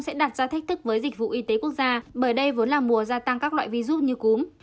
sẽ đặt ra thách thức với dịch vụ y tế quốc gia bởi đây vốn là mùa gia tăng các loại virus như cúm